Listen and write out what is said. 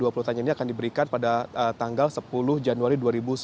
dua puluh pertanyaan ini akan diberikan pada tanggal sepuluh januari dua ribu sembilan belas